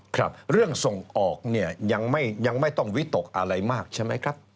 ครับเรื่องส่งออกเนี่ยยังไม่ต้องวิตกอะไรมากใช่ไหมครับ